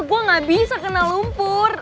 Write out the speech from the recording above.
gue gak bisa kena lumpur